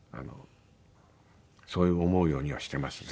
そう思うようにはしてますね。